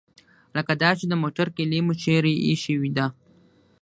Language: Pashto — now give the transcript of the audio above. لکه دا چې د موټر کیلي مو چیرې ایښې ده.